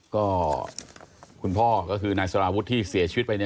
ก็คุณพ่าสลาวุธที่เสียชีวิตไหน